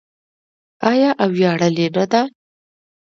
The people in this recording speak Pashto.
آیا او ویاړلې نه ده؟